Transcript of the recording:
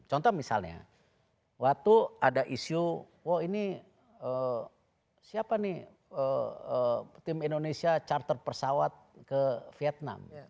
contoh misalnya waktu ada isu wah ini siapa nih tim indonesia charter pesawat ke vietnam